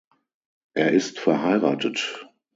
Er ist verheiratet.